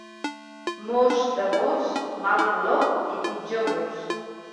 Most d'agost, mal color i pitjor gust.